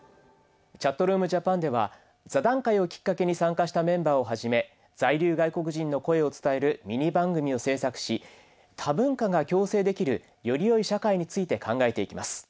「ＣｈａｔｒｏｏｍＪａｐａｎ」では座談会をきっかけに参加したメンバーをはじめ在留外国人の声を伝えるミニ番組を制作し多文化が共生できるよりよい社会について考えていきます。